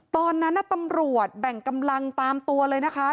ตอนนั้นตำรวจแบ่งกำลังตามตัวเลยนะคะ